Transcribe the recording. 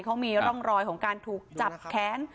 เขามีร่องรอยของการถูกจับแค้น